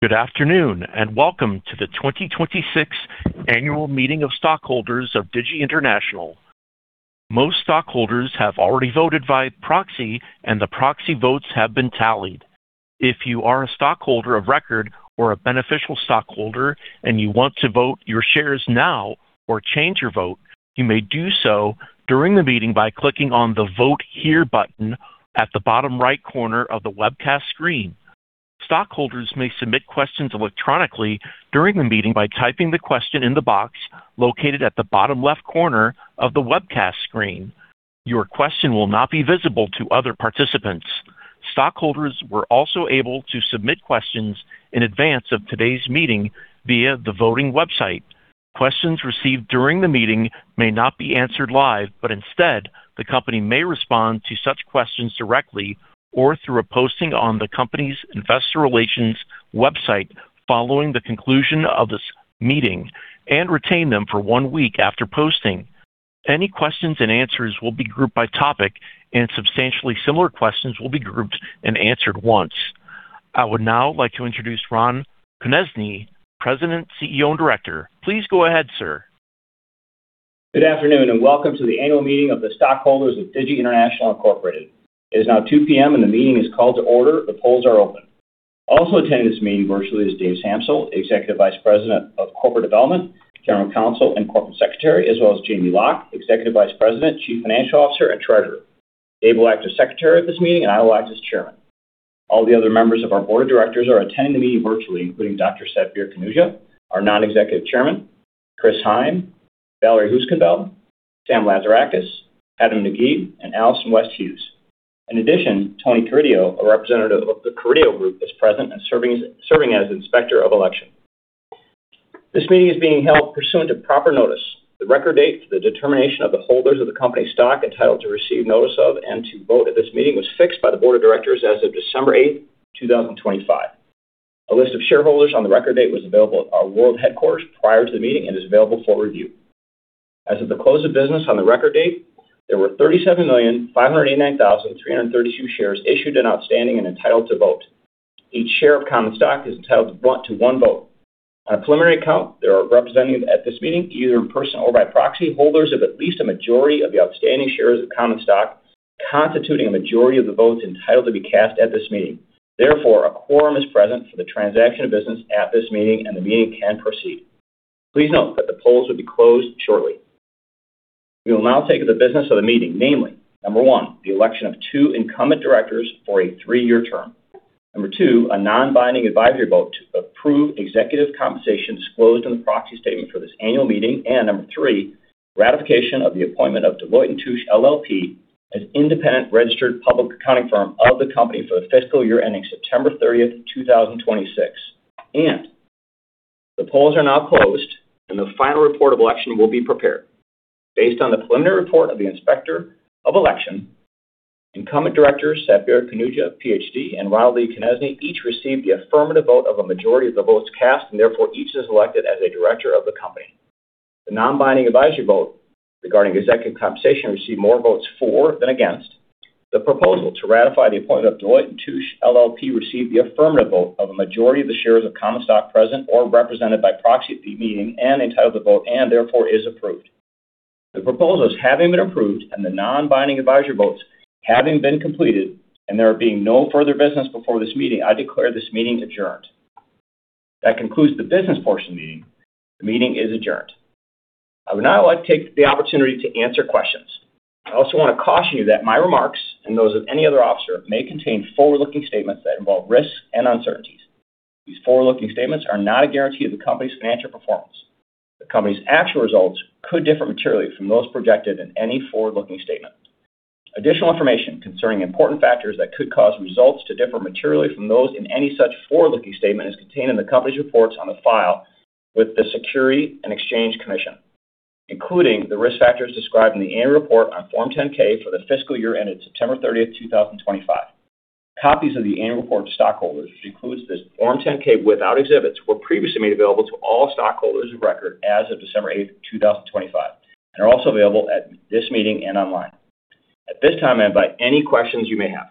Good afternoon, and welcome to the 2026 Annual Meeting of Stockholders of Digi International. Most stockholders have already voted by proxy, and the proxy votes have been tallied. If you are a stockholder of record or a beneficial stockholder and you want to vote your shares now or change your vote, you may do so during the meeting by clicking on the Vote Here button at the bottom right corner of the webcast screen. Stockholders may submit questions electronically during the meeting by typing the question in the box located at the bottom left corner of the webcast screen. Your question will not be visible to other participants. Stockholders were also able to submit questions in advance of today's meeting via the voting website. Questions received during the meeting may not be answered live, but instead, the company may respond to such questions directly or through a posting on the company's investor relations website following the conclusion of this meeting and retain them for one week after posting. Any questions and answers will be grouped by topic, and substantially similar questions will be grouped and answered once. I would now like to introduce Ron Konezny, President, CEO, and Director. Please go ahead, sir. Good afternoon, and welcome to the annual meeting of the stockholders of Digi International Incorporated. It is now 2:00 P.M., and the meeting is called to order. The polls are open. Also attending this meeting virtually is Dave Sampsell, Executive Vice President of Corporate Development, General Counsel, and Corporate Secretary, as well as Jamie Loch, Executive Vice President, Chief Financial Officer, and Treasurer. Dave will act as Secretary at this meeting, and I will act as Chairman. All the other members of our board of directors are attending the meeting virtually, including Dr. Satbir Khanuja, our Non-Executive Chairman, Chris Heim, Valerie Heusinkveld, Sam Lazarakis, Hatem Naguib, and Allison West Hughes. In addition, Tony Carideo, a representative of The Carideo Group, is present and serving as Inspector of Election. This meeting is being held pursuant to proper notice. The record date for the determination of the holders of the company's stock, entitled to receive notice of and to vote at this meeting, was fixed by the board of directors as of December eighth, 2025. A list of shareholders on the record date was available at our world headquarters prior to the meeting and is available for review. As of the close of business on the record date, there were 37,589,332 shares issued and outstanding and entitled to vote. Each share of common stock is entitled to one vote. On a preliminary count, there are represented at this meeting, either in person or by proxy, holders of at least a majority of the outstanding shares of common stock, constituting a majority of the votes entitled to be cast at this meeting. Therefore, a quorum is present for the transaction of business at this meeting, and the meeting can proceed. Please note that the polls will be closed shortly. We will now take the business of the meeting, namely, 1, the election of two incumbent directors for a three-year term. 2, a non-binding advisory vote to approve executive compensation disclosed in the proxy statement for this annual meeting. And 3, ratification of the appointment of Deloitte & Touche LLP as independent registered public accounting firm of the company for the fiscal year ending September 30, 2026. And the polls are now closed, and the final report of election will be prepared. Based on the preliminary report of the Inspector of Election, incumbent directors Satbir Khanuja, PhD, and Ronald Lee Koneczny each received the affirmative vote of a majority of the votes cast, and therefore each is elected as a director of the company. The non-binding advisory vote regarding executive compensation received more votes for than against. The proposal to ratify the appointment of Deloitte & Touche LLP received the affirmative vote of a majority of the shares of common stock present or represented by proxy at the meeting and entitled to vote, and therefore is approved. The proposals having been approved and the non-binding advisory votes having been completed, and there being no further business before this meeting, I declare this meeting adjourned. That concludes the business portion of the meeting. The meeting is adjourned. I would now like to take the opportunity to answer questions. I also want to caution you that my remarks, and those of any other officer, may contain forward-looking statements that involve risks and uncertainties. These forward-looking statements are not a guarantee of the company's financial performance. The company's actual results could differ materially from those projected in any forward-looking statement. Additional information concerning important factors that could cause results to differ materially from those in any such forward-looking statement is contained in the company's reports on file with the Securities and Exchange Commission, including the risk factors described in the annual report on Form 10-K for the fiscal year ended September 30, 2025. Copies of the annual report to stockholders, which includes this Form 10-K without exhibits, were previously made available to all stockholders of record as of December 8, 2025, and are also available at this meeting and online. At this time, I invite any questions you may have.